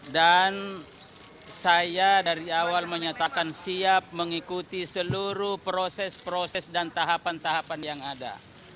dan saya dari awal menyatakan siap mengikuti seluruh proses proses dan tahapan tahapan yang ada